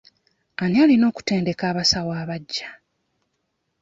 Ani alina okutendeka abasawo abaggya?